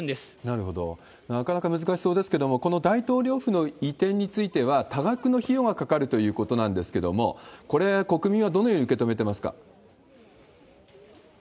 なかなか難しそうですけども、この大統領府の移転については、多額の費用がかかるということなんですけれども、これ、国民はどのように受け止めてますか？